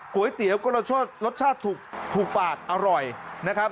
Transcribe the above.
ก๋วยเตี๋ยวก็รสชาติรสชาติถูกปากอร่อยนะครับ